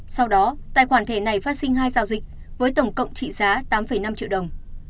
sau đó tài khoản thẻ này phát sinh hai giao dịch với tổng cộng trị giá tám năm triệu đồng